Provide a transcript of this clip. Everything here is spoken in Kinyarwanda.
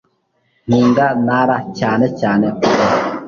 Nkunda Nara cyane cyane kugwa